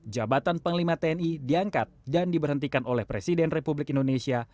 jabatan panglima tni diangkat dan diberhentikan oleh presiden republik indonesia